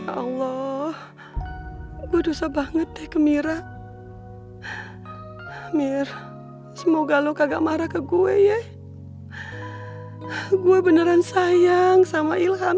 allah berusaha banget deh ke mira mir semoga lu kagak marah ke gue gue beneran sayang sama ilham